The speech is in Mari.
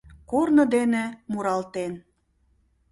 Корно дене, муралтен